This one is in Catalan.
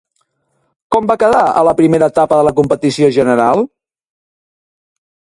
Com va quedar a la primera etapa de la competició general?